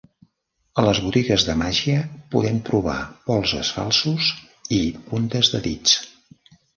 A les botigues de màgia podem trobar polzes falsos i puntes de dits.